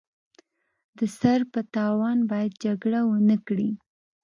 د سر په تاوان باید جګړه ونکړي.